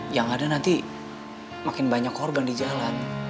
yang ada nanti makin banyak korban di jalan